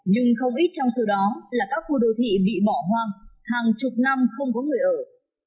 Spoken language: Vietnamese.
nhưng không ít trong số đó là các khu đô thị bị bỏ hoang hàng chục năm không có người ở